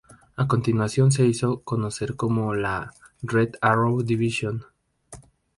A continuación, se hizo conocer como la "Red Arrow Division".